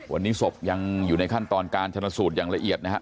วันนี้ศพยังอยู่ในขั้นตอนการชนะสูตรอย่างละเอียดนะครับ